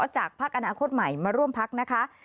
จากพักอนาคตใหม่มาร่วมพักนะคะ